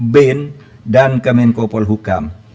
bin dan kemenkopol hukam